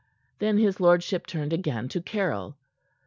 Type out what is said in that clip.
Then his lordship turned again to Caryll.